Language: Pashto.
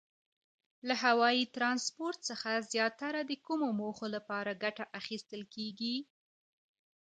له هوایي ترانسپورت څخه زیاتره د کومو موخو لپاره ګټه اخیستل کیږي؟